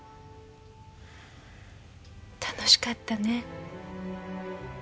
楽しかったね。